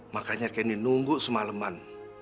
makanya kendi nunggu semaleman